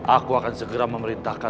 aku akan segera memerintahkan